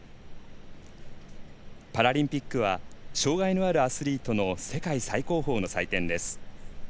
パラリンピックは障がいのあるアスリートの世界最高峰の祭典です。